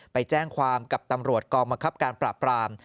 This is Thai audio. ไปแจ้งความกับตำรวจกองบังคับการปราบราม